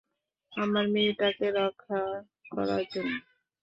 আমার মেয়েটাকে রক্ষা করার জন্য।